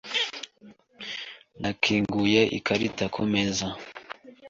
Nakinguye ikarita kumeza .